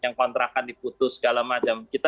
yang kontrakan diputus segala macam kita